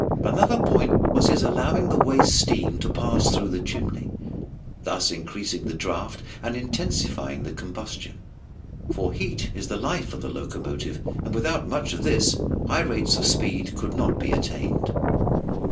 Another point was his allowing the waste steam to pass through the chimney, thus increasing the draught and intensifying the combustion; for heat is the life of the locomotive, and without much of this, high rates of speed could not be attained.